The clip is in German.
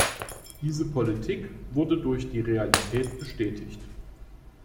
Diese Politik wurde durch die Realität bestätigt.